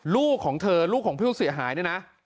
ลูกของเธอลูกของผู้เสียหายเนี่ยนะ